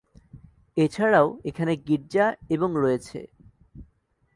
এছাড়াও এখানে গির্জা এবং রয়েছে।